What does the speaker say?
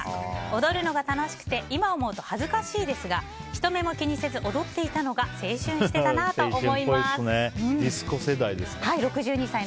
踊るのが楽しくて今思うと恥ずかしいですが人目も気にせず踊っていたのが青春していたなとディスコ世代ですか。